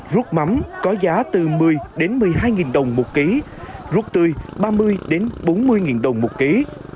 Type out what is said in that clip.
rút mắm có giá từ một mươi một mươi hai nghìn đồng một ký rút tươi ba mươi bốn mươi nghìn đồng một ký